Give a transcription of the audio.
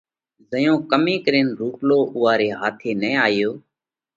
زئيون ڪمي ڪرينَ رُوپلو اُوئا ري هاٿِي نہ آيو